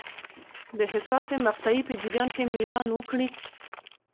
د حساسې مقطعې په جریان کې میلان وکړي.